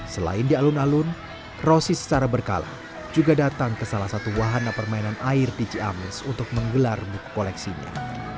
selain di alun alun rosi secara berkala juga datang ke salah satu wahana permainan air di ciamis untuk menggelar buku koleksinya